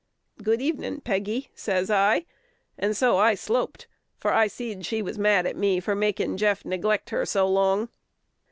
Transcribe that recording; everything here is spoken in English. "Good evening, Peggy," says I; and so I sloped, for I seed she was mad at me for making Jeff neglect her so long.